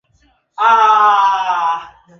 Uchumi wa Mkoa unategemea zaidi kilimo